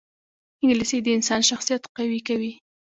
انګلیسي د انسان شخصیت قوي کوي